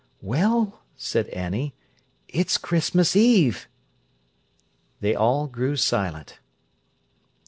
"Well," said Annie, "it's Christmas Eve." They all grew silent.